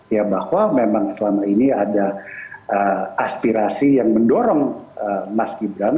ya bahwa memang selama ini ada aspirasi yang mendorong mas gibran